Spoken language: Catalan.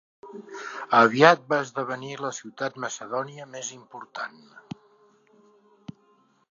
Aviat va esdevenir la ciutat macedònia més important.